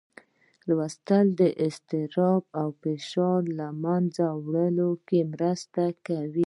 لوستل د اضطراب او فشار له منځه وړلو کې مرسته کوي